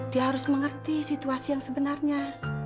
dia harus mengerti situasi yang sebenarnya